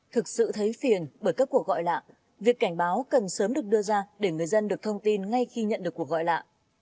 thực sự thấy phiền bởi các cuộc gọi lạ việc cảnh báo cần sớm được đưa ra để người dân được thông tin ngay khi nhận được cuộc gọi lạ